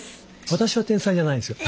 私は天才じゃないですよ。